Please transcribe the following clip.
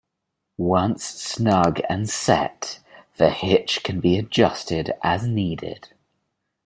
Once snug and set, the hitch can be adjusted as needed.